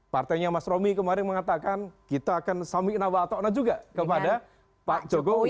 partainya mas romy kemarin mengatakan kita akan samik na wa ta'na juga kepada pak jokowi